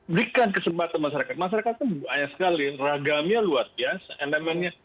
berikan kesempatan masyarakat masyarakat itu banyak sekali ragamnya luar biasa elemennya